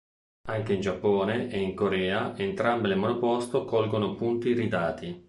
Anche in Giappone e in Corea entrambe le monoposto colgono punti iridati.